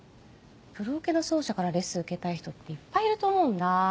プロオケの奏者からレッスン受けたい人っていっぱいいると思うんだ。